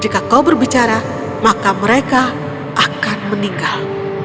jika kau berbicara maka mereka akan meninggal